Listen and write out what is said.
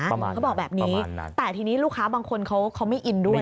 ประมาณนั้นเขาบอกแบบนี้ประมาณนั้นแต่ทีนี้ลูกค้าบางคนเขาเขาไม่อินด้วย